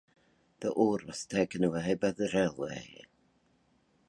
The ore was taken away by the railway.